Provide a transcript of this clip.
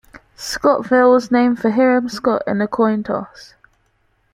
Scottville was named for Hiram Scott in a coin toss.